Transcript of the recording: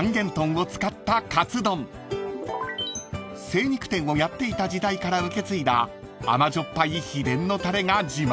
［精肉店をやっていた時代から受け継いだ甘じょっぱい秘伝のたれが自慢だそう］